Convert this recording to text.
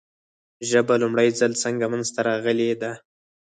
ژبه لومړی ځل څنګه منځ ته راغلې ده ؟